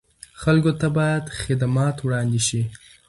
خلکو ته باید خدمات وړاندې شي.